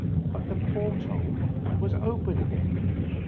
But the port hole was open again.